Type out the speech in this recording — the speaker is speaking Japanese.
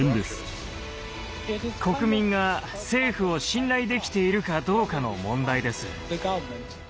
国民が政府を信頼できているかどうかの問題です。